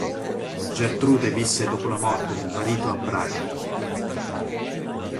Gertrude visse dopo la morte del marito a Praga.